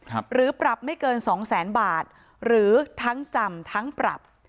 หรือปรับไม่เกินสองแสนบาทหรือทั้งจำทั้งปรับ